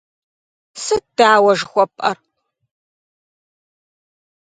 Сыт дауэ жыхуэпӏэр?